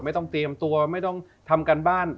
ไม่ต้องเตรียมตัวไม่ต้องทำการบ้าน